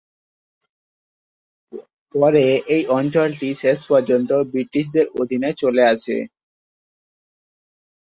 পরে এই অঞ্চলটি শেষ পর্যন্ত ব্রিটিশদের অধীনে চলে আসে।